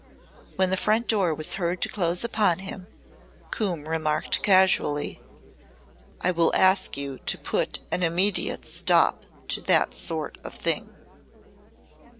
When the front door was heard to close upon him, Coombe remarked casually: "I will ask you to put an immediate stop to that sort of thing."